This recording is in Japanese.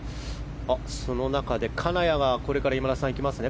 その中で金谷がこれからいきますね。